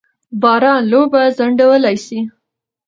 باران لوبه ځنډولای سي.